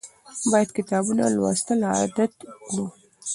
باید کتابونه لوستل عادت کړو.